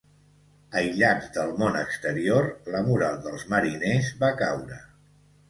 Aïllats del món exterior, la moral dels mariners va caure.